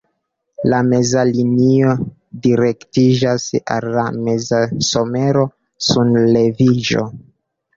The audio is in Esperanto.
La meza linio direktiĝas al la mezsomero-sunleviĝo.